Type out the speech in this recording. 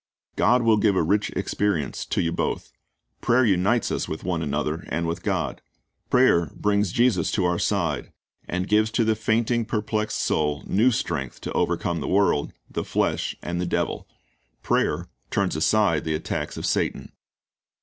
God will give a rich experience to you both. Prayer unites us with one another and with God. Prayer brings Jesus to our side, and gives to the fainting, perplexed soul new strength to overcome the world, the flesh, and the devil. Prayer turns aside the attacks of Satan.